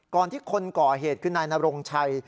ที่คนก่อเหตุคือนายนรงชัย